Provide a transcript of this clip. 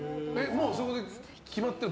そこで決まってるの？